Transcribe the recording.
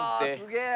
すげえ！